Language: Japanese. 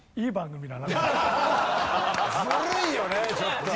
ずるいよねちょっとね。